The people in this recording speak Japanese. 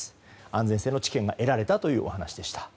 安全性の治験が得られたというお話でした。